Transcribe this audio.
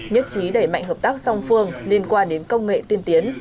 nhất trí đẩy mạnh hợp tác song phương liên quan đến công nghệ tiên tiến